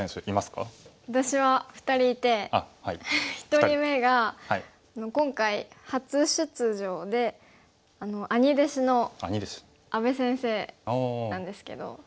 １人目が今回初出場で兄弟子の阿部先生なんですけど。